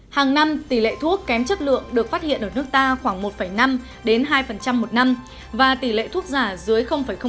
hàng năm tỷ lệ thuốc kém chất lượng được phát hiện ở nước ta khoảng một năm hai một năm và tỷ lệ thuốc giả dưới năm